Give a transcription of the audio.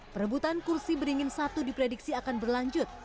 perebutan kursi beringin satu diprediksi akan berlanjut